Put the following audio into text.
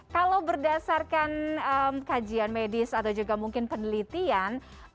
kalau berdasarkan kajian medis atau juga mungkin penelitian